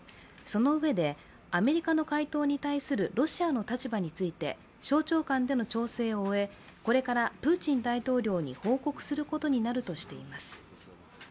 そのうえで、アメリカの回答に対するロシアの立場について省庁間での調整を終えこれからプーチン大統領に報告することになるとしています。